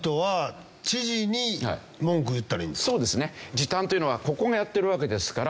時短というのはここがやってるわけですから。